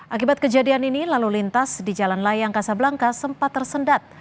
akibat kejadian ini lalu lintas di jalan layang kasablangka sempat tersendat